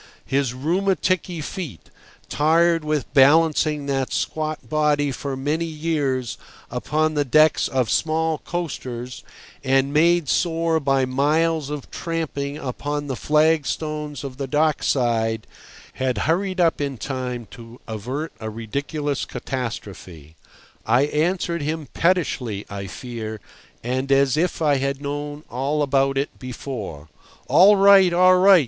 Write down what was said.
His rheumaticky feet, tired with balancing that squat body for many years upon the decks of small coasters, and made sore by miles of tramping upon the flagstones of the dock side, had hurried up in time to avert a ridiculous catastrophe. I answered him pettishly, I fear, and as if I had known all about it before. "All right, all right!